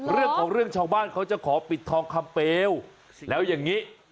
เรื่องของเรื่องชาวบ้านเขาจะขอปิดทองคำเปลวแล้วอย่างนี้